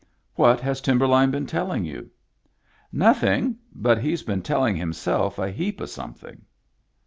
" What has Timberline been telling you ?" "Nothing. But he's been telling himself a heap of something."